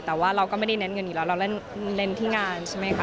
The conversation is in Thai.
แต่ว่าเราก็ไม่ได้เน้นเงินอยู่แล้วเราเล่นที่งานใช่ไหมคะ